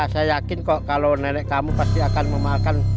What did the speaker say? saya yakin kok kalau nenek kamu pasti akan memakan